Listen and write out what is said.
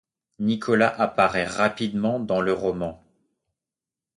Nicolas apparait rapidement dans le roman.